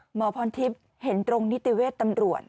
หมอพรทิพย์เห็นตรงนิติเวชตำรวจ